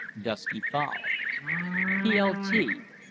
DUSKY FOWL." "Plt.